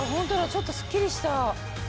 ちょっとすっきりした。